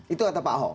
itu kata pak ahok